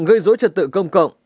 gây rối trật tự công cộng